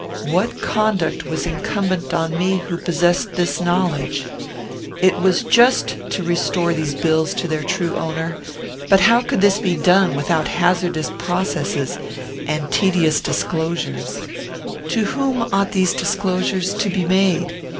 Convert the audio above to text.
What conduct was incumbent upon me who possessed this knowledge? It was just to restore these bills to their true owner; but how could this be done without hazardous processes and tedious disclosures? To whom ought these disclosures to be made?